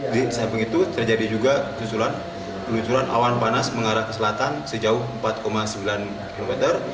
di samping itu terjadi juga luncuran awan panas mengarah ke selatan sejauh empat sembilan km